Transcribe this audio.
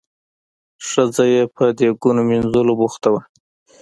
ښځه یې په دیګونو مینځلو بوخته وه.